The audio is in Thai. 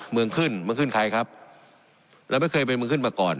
เมืองขึ้นเมืองขึ้นใครครับเราไม่เคยเป็นเมืองขึ้นมาก่อน